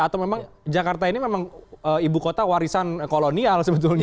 atau memang jakarta ini memang ibu kota warisan kolonial sebetulnya